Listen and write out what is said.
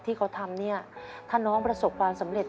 ที่เขาทำเนี่ยถ้าน้องประสบความสำเร็จ